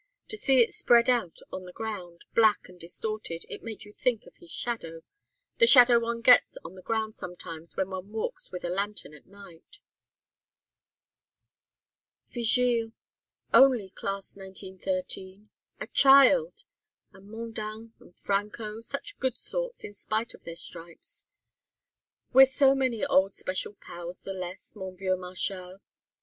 To see it spread out on the ground, black and distorted, it made you think of his shadow the shadow one gets on the ground sometimes when one walks with a lantern at night." "Vigile only Class 1913 a child! And Mondain and Franco such good sorts, in spite of their stripes. We're so many old special pals the less, mon vieux Marchal."